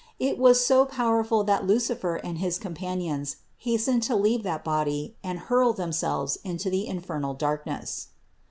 It was so powerful that Lucifer and his com panions hastened to leave that body and hurl themselves into the infernal darkness.